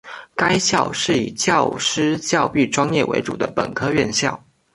该校是以教师教育专业为主的本科院校。